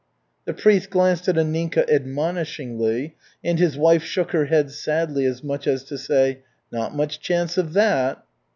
The priest glanced at Anninka admonishingly, and his wife shook her head sadly, as much as to say, "Not much chance of that."